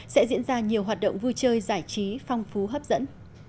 sẽ diễn ra nhiều hoạt động vui chơi giải trí phong phú hấp dẫn